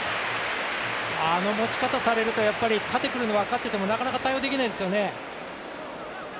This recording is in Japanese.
あの持ち方されると縦来るとわかっていてもなかなか対応できないですよね。